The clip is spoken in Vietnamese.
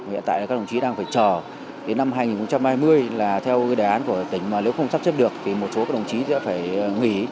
hiện tại là các đồng chí đang phải chờ đến năm hai nghìn hai mươi là theo đề án của tỉnh mà nếu không sắp xếp được thì một số các đồng chí sẽ phải nghỉ